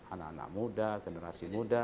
anak anak muda generasi muda